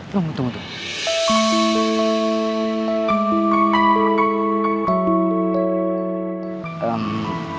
tunggu tunggu tunggu